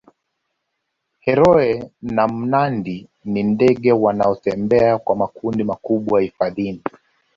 heroe na mnandi ni ndege wanaotembea kwa makundi makubwa hifadhini